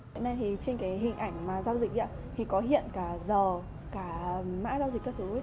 trên hình ảnh giao dịch có hiện cả giờ cả mã giao dịch các thứ